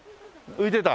浮いてた。